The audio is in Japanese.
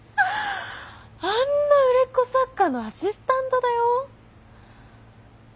あんな売れっ子作家のアシスタントだよ？